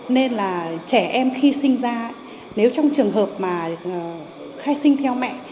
nên là trẻ em khi sinh ra nếu trong trường hợp mà khai sinh theo mẹ